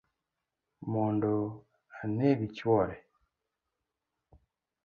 Mondo aneg chuore